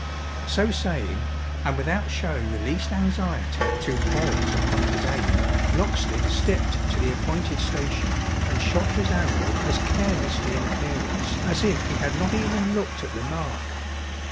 So saying, and without showing the least anxiety to pause upon his aim, Locksley stepped to the appointed station, and shot his arrow as carelessly in appearance as if he had not even looked at the mark.